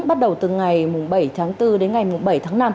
bắt đầu từ ngày bảy tháng bốn đến ngày bảy tháng năm